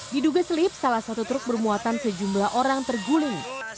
diduga selip salah satu truk bermuatan sejumlah orang terguling